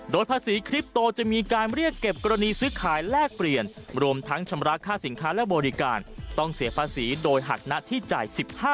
โดยภาษีคลิปโตจะมีการเรียกเก็บกรณีซื้อขายแลกเปลี่ยนรวมทั้งชำระค่าสินค้าและบริการต้องเสียภาษีโดยหักหน้าที่จ่าย๑๕